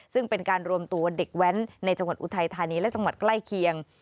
ซึ่งเป็นการรวมตัวเด็กแว้นในจังหวัดอุทัยธานีและจังหวัดใกล้เคียง